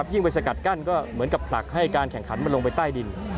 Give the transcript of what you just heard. ยิ่งไปสกัดกั้นก็เหมือนกับผลักให้การแข่งขันมันลงไปใต้ดิน